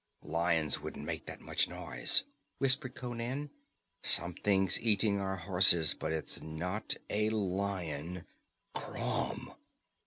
"Lions wouldn't make that noise," whispered Conan. "Something's eating our horses, but it's not a lion Crom!"